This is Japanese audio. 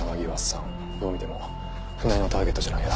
どう見ても船井のターゲットじゃないよな。